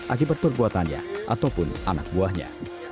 akibat perbuatannya ataupun anak buahnya